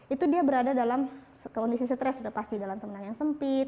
itu dia berada dalam kondisi stres sudah pasti dalam temenah yang sempit